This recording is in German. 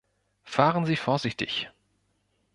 Fahren Sie vorsichtig!